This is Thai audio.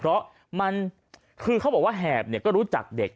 เพราะมันคือเขาบอกว่าแหบก็รู้จักเด็ก